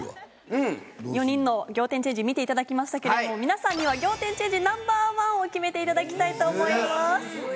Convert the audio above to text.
４人の仰天チェンジ見ていただきましたけれども皆さんには仰天チェンジＮｏ．１を決めていただきたいと思います。